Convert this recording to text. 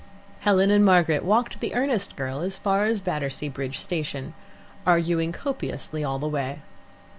Helen and Margaret walked the earnest girl as far as Battersea Bridge Station, arguing copiously all the way.